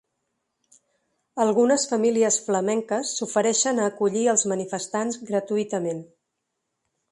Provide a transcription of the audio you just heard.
Algunes famílies flamenques s’ofereixen a acollir els manifestants gratuïtament.